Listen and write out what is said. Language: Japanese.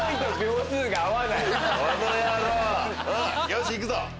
よし行くぞ！